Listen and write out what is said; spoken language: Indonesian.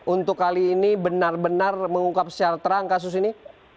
untuk kali ini benar benar mengungkap secara terang kasus ini